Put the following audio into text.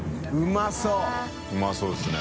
Αうまそうですね